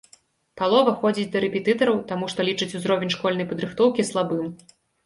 Палова ходзіць да рэпетытараў таму, што лічыць узровень школьнай падрыхтоўкі слабым.